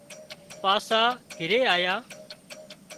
پاسا گھرِي آيا